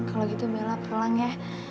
kalau gitu bella pulang ya